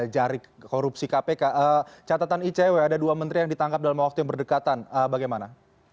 jarik korupsi kpk catatan icw ada dua menteri yang ditangkap dalam waktu yang berdekatan bagaimana